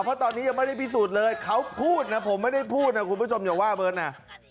เพราะตอนนี้ยังไม่ได้พิสูจน์เลยเขาพูดนะผมไม่ได้พูดนะคุณผู้ชมอย่าว่าเบิร์ตนะ